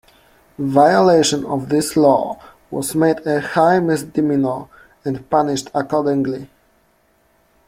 Violation of this law was made a high misdemeanor and punished accordingly.